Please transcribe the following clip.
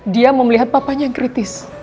dia melihat papanya yang kritis